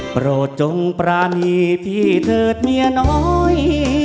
โปรดจงปรานีพี่เถิดเมียน้อย